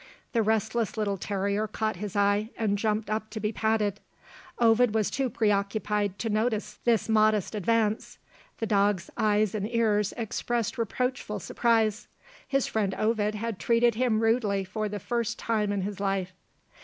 The restless little terrier caught his eye, and jumped up to be patted. Ovid was too pre occupied to notice this modest advance. The dog's eyes and ears expressed reproachful surprise. His friend Ovid had treated him rudely for the first time in his life.